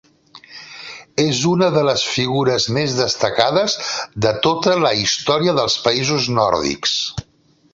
És una de les figures més destacades de tota la història dels països nòrdics.